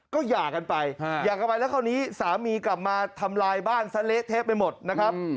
ก็หย่ากันไปหย่ากันไปแล้วคราวนี้สามีกลับมาทำลายบ้านซะเละเทะไปหมดนะครับ